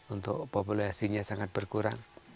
untuk populasinya sangat berkurang